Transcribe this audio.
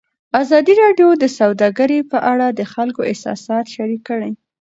ازادي راډیو د سوداګري په اړه د خلکو احساسات شریک کړي.